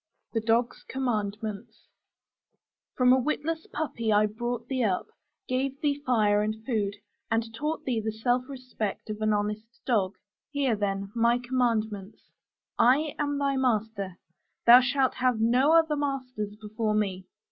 THE DOG'S COMMANDMENTS From a witless puppy I brought thee up: gave thee fire and food, and taught thee the self respect of an honest dog. Hear, then, my commandments: I am thy master: thou shalt have no other masters before me.